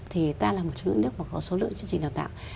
thì ta là một trong những nước mà có số lượng chương trình đào tạo